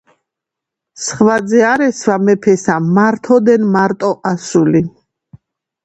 სხვა ძე არ ესვა მეფესა, მართ ოდენ მარტო ასული